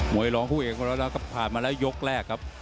วยร้องคู่เอกมาแล้วนะครับผ่านมาแล้วยกแรกครับ